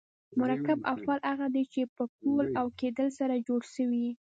مرکب افعال هغه دي، چي په کول او کېدل سره جوړ سوي یي.